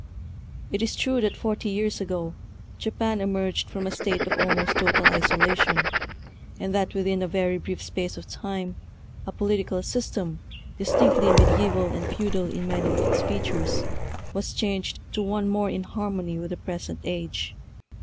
It is true that forty years ago Japan emerged from a state of almost total isolation, and that within a very brief space of time a political system, distinctly mediaeval and feudal in many of its features, was changed to one more in harmony with the present age.